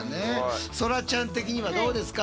そらちゃん的にはどうですか？